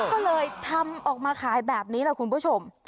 ก็เลยทำออกมาขายแบบนี้แหละคุณผู้ชม